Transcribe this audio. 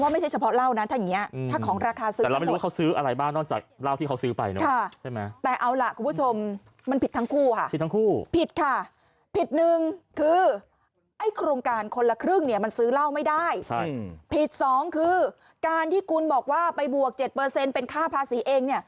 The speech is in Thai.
ไม่ได้ผิดสองคือการที่คุณบอกว่าไปบวกเจ็ดเปอร์เซ็นต์เป็นค่าภาษีเองเนี่ย